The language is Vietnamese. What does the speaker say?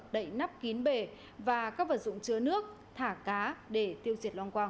đẩy nắp kín bể và các vật dụng chứa nước thả cá để tiêu diệt loang quang